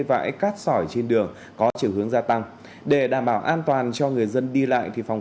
vãi cát sỏi trên đường có chiều hướng gia tăng để đảm bảo an toàn cho người dân đi lại thì phòng